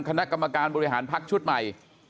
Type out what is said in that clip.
คณะกรรมการบริหารพักชุดใหม่